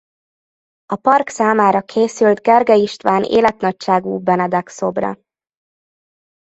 A park számára készült Gergely István életnagyságú Benedek-szobra.